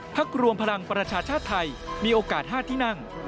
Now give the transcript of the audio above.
รวมพลังประชาชาติไทยมีโอกาส๕ที่นั่ง